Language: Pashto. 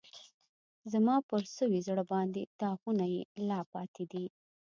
زما پر سوي زړه باندې داغونه یې لا پاتی دي